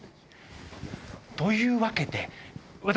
というわけで私